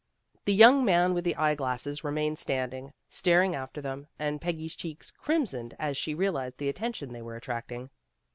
The young man with the eye glasses remained standing, staring after them, and Peggy's cheeks crimsoned as she realized the attention they were attract ing.